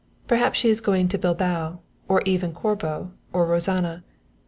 Perhaps she is going to Bilbao, or even Corbo or Rozana.